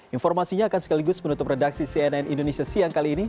informasinya akan sekaligus menutup redaksi cnn indonesia siang kali ini